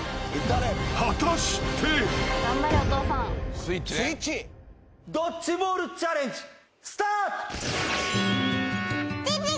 ［果たして］ドッジボールチャレンジスタート。